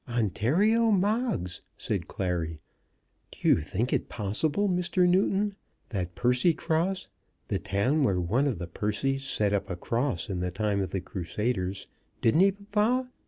"Ontario Moggs!" said Clary. "Do you think it possible, Mr. Newton, that Percycross, the town where one of the Percys set up a cross in the time of the Crusaders, didn't he, papa?